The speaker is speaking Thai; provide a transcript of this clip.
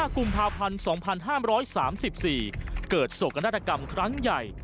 ๑๕กุมภาพันธ์สองพันห้ามร้อยสามสิบสี่เกิดโศกนาฏกรรมครั้งใหญ่